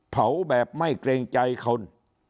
เผาแบบไม่เกรงใจคน